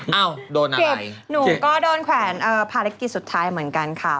เอ้าโดนอะไรหนูก็โดนแขวนภารกิจสุดท้ายเหมือนกันค่ะ